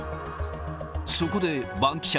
そこでバンキシャ！